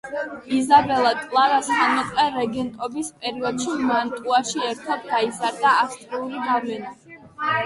იზაბელა კლარას ხანმოკლე რეგენტობის პერიოდში მანტუაში ერთობ გაიზარდა ავსტრიული გავლენა.